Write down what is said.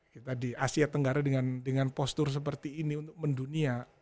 kita di asia tenggara dengan postur seperti ini untuk mendunia